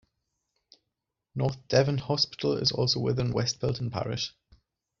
North Devon Hospital is also within West Pilton parish.